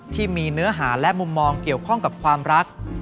ที่มีเนื้อหาและมุมมองเกี่ยวข้องกับความรัก